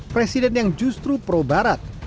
presiden yang justru pro barat